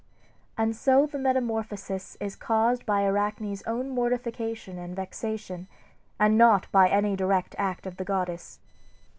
] And so the metamorphosis is caused by Arachne's own mortification and vexation, and not by any direct act of the goddess.